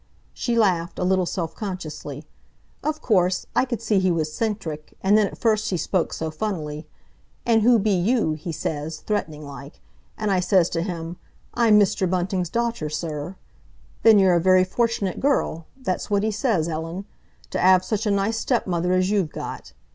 She laughed, a little self consciously. "Of course, I could see he was 'centric, and then at first he spoke so funnily. 'And who be you?' he says, threatening like. And I says to him, 'I'm Mr. Bunting's daughter, sir.' 'Then you're a very fortunate girl'—that's what he says, Ellen—'to 'ave such a nice stepmother as you've got.